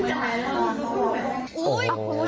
ไม่จ่ายหรอก